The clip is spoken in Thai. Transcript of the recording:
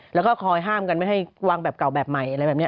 แล้วก็คอยห้ามกันไม่ให้วางแบบเก่าแบบใหม่อะไรแบบนี้